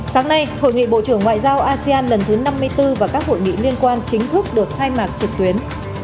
sáng nay hội nghị bộ trưởng ngoại giao asean lần thứ năm mươi bốn và các hội nghị liên quan chính thức được khai mạc trực tuyến